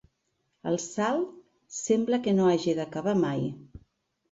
El salt sembla que no hagi d'acabar mai.